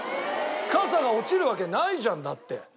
かさが落ちるわけないじゃんだって。